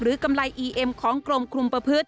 กำไรอีเอ็มของกรมคุมประพฤติ